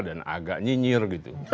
dan agak nyinyir gitu